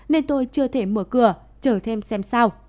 nên tôi chưa thể mở cửa trở thêm xem sao